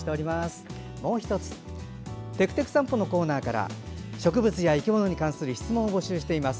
もう１つ、「てくてく散歩」のコーナーから植物や生き物に関する質問を募集しています。